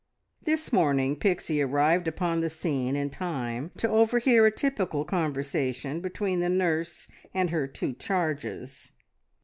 This morning Pixie arrived upon the scene in time to overhear a typical conversation between the nurse and her two charges.